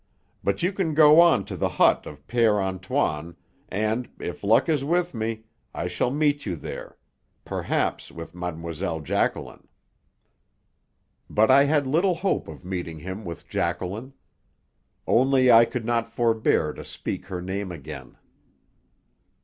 But you can go on to the hut of Père Antoine and, if luck is with me, I shall meet you, there perhaps with Mlle. Jacqueline." But I had little hope of meeting him with Jacqueline. Only I could not forbear to speak her name again.